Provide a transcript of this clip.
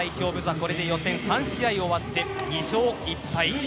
これで予選を勝ち切って３試合終わって２勝１敗。